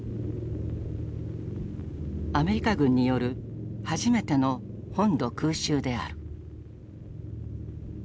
アメリカ軍による初めての本土空襲である。